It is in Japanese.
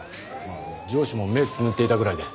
まあ上司も目つむっていたぐらいで。